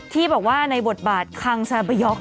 ที่บอกว่าในบทบาทคังซาบาย็อก